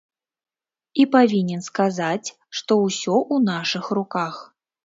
І павінен сказаць, што ўсё ў нашых руках.